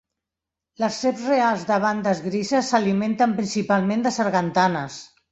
Les serps reals de bandes grises s'alimenten principalment de sargantanes.